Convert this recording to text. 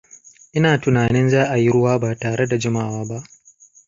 Ina tunanin za a yi ruwa ba tare da jimawa ba.